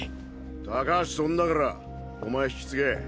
高橋飛んだからお前引き継げ。